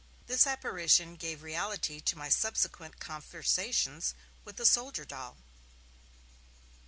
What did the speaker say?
This apparition gave reality to my subsequent conversations with the soldier doll.